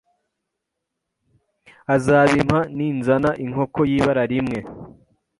azabimpa ninzana inkoko y’ibara rimwe,